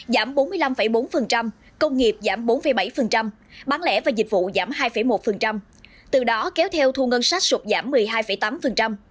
giảm bốn mươi năm bốn công nghiệp giảm bốn bảy bán lẻ và dịch vụ giảm hai một từ đó kéo theo thu ngân sách sụp giảm một mươi hai tám